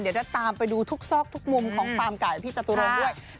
เดี๋ยวจะตามไปดูทุกซอกทุกมุมของฟาร์มไก่ของพี่จตุรงค์ด้วย